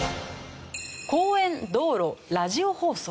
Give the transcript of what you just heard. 公園道路ラジオ放送。